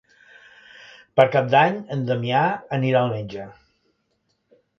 Per Cap d'Any en Damià anirà al metge.